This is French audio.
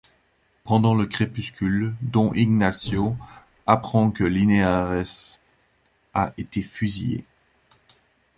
Pendant le crépuscule, don Ignacio apprend que Linares a été fusillé.